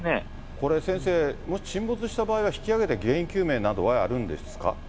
これ先生、もし沈没した場合は、引き揚げて原因究明などはやるんですか。